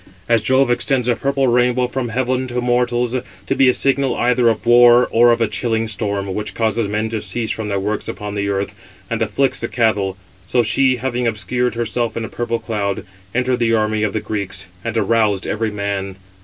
As Jove extends a purple rainbow from heaven to mortals, to be a signal either of war, or of a chilling storm, which causes men to cease from their works upon the earth, and afflicts the cattle; so she, having obscured herself in a purple cloud, entered the army of the Greeks, and aroused every man.